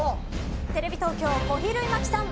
テレビ東京、小比類巻さん